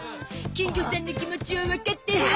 金魚さんの気持ちをわかってる。